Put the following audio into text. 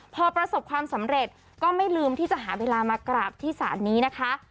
พอประสบความสำเร็จก็ไม่ลืมที่จะหาเวลามากราบที่ศาลนี้นะคะ